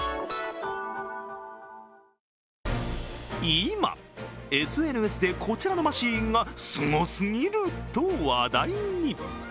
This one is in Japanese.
今、ＳＮＳでこちらのマシンがすごすぎると話題に。